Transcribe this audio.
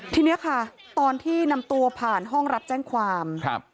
ทีนี้ค่ะตอนที่นำตัวผ่านห้องรับแจ้งความครับ